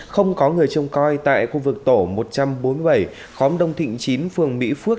không có người trông coi tại khu vực tổ một trăm bốn mươi bảy khóm đông thịnh chín phường mỹ phước